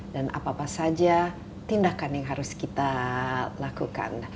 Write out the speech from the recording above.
dan apa apa saja tindakan yang harus kita lakukan